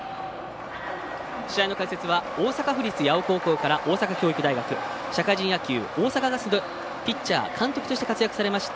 試合の解説は大阪府立八尾高校から大阪教育大学、社会人野球大阪ガスでピッチャー監督として活躍されました